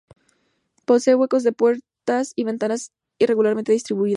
Posee huecos de puertas y ventanas irregularmente distribuidos.